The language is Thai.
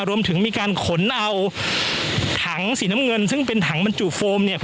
รวมถึงมีการขนเอาถังสีน้ำเงินซึ่งเป็นถังบรรจุโฟม